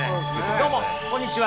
どうもこんにちは。